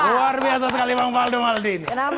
luar biasa sekali bang faldo maldi